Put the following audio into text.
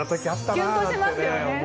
キュンとしますよね。